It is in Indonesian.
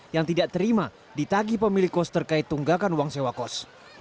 yang tidak terima ditagi pemilik kos terkait tunggakan uang sewa kos